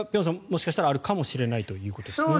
もしかしたらあるかもしれないということですね。